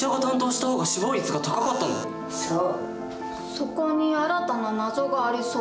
そこに新たな謎がありそう。